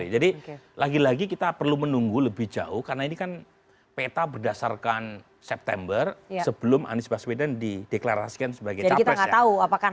jadi lagi lagi kita perlu menunggu lebih jauh karena ini kan peta berdasarkan september sebelum anies baswedan dideklarasikan sebagai capres